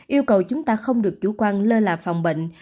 yêu cầu chúng ta không được chủ quan lơ là phòng bệnh